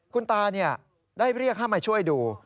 คุณตาเนี่ยได้เรียกเข้ามาช่วยดู